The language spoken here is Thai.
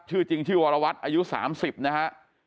ชื่อจริงชื่อวรวัตรอายุ๓๐นะฮะ